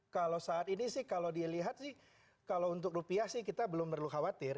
kalau saat ini sih kalau dilihat sih kalau untuk rupiah sih kita belum perlu khawatir